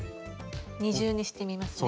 二重にしてみますね。